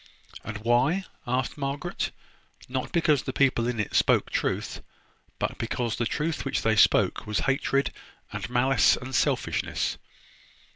"And why?" asked Margaret. "Not because the people in it spoke truth; but because the truth which they spoke was hatred, and malice, and selfishness."